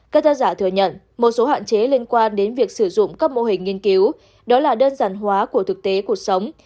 các tác giả thừa nhận một số hạn chế liên quan đến việc sử dụng các mô hình nghiên cứu đó là đơn giản hóa của thực tế cuộc sống